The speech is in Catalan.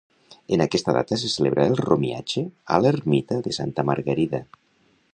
En aquesta data se celebra el romiatge a l'ermita de Santa Margarida.